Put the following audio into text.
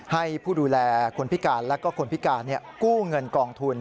ให้ผู้ดูแลคนพิการและคนพิการกู้เงินกองทุน